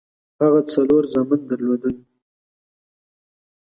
هغه څلور زامن درلودل.